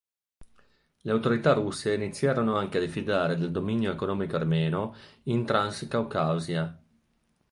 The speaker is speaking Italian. Le autorità russe iniziarono anche a diffidare del dominio economico armeno in Transcaucasia.